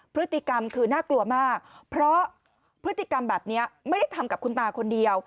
พฤติกรรมคือน่ากลัวมากเพราะพฤติกรรมแบบนี้ไม่ได้ทำกับคุณตาคนเดียว